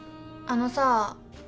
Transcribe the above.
あのさ。